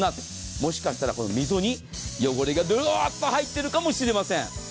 もしかしたら溝に汚れが入ってるかもしれません。